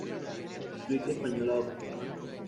Suite española Op.